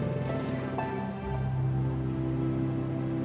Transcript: aku nyari kertas sama pulpen dulu ya